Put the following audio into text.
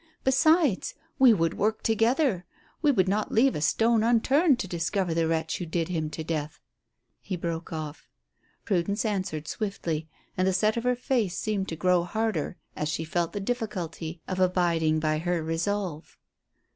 Besides, we would work together; we would not leave a stone unturned to discover the wretch who did him to death " He broke off. Prudence answered swiftly, and the set of her face seemed to grow harder as she felt the difficulty of abiding by her resolve.